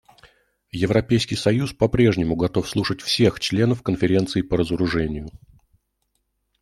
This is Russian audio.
Европейский союз по-прежнему готов слушать всех членов Конференции по разоружению.